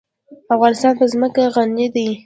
افغانستان په ځمکه غني دی.